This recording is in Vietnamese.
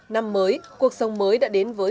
năm mới cuộc sống mới đã đến với